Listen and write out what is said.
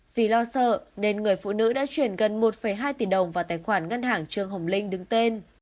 vì lo sợ nên người phụ nữ đã chuyển gần một hai tỷ đồng vào tài khoản ngân hàng trương hồng linh đứng tên